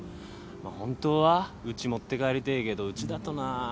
まっ本当はうち持って帰りてえけどうちだとな。